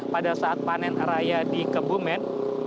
pada saat panen raya di kebumen